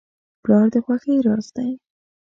پلار د خوښۍ راز دی.